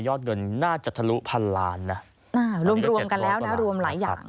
เงินน่าจะทะลุพันล้านนะรวมรวมกันแล้วนะรวมหลายอย่าง